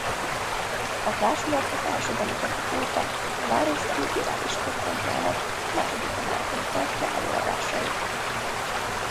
A társulat az első bemutató óta a város kulturális központjának második emeletén tartja előadásait.